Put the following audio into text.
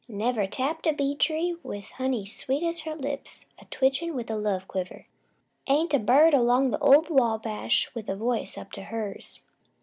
Never tapped a bee tree with honey sweet as her lips a twitchin' with a love quiver. Ain't a bird 'long the ol' Wabash with a voice up to hers.